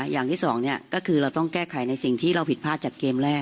อย่างที่สองก็คือเราต้องแก้ไขในสิ่งที่เราผิดพลาดจากเกมแรก